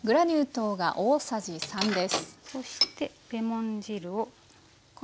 そしてレモン汁を。